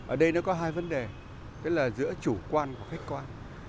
ở đây nó có hai vấn đề tức là giữa chủ quan và khách quan